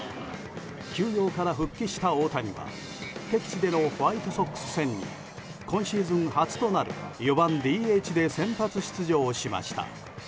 休養から復帰した大谷は敵地でのホワイトソックス戦に今シーズン初となる４番ＤＨで先発出場しました。